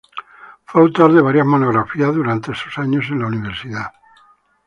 Fue autor de varias monografías durante sus años en la Universidad.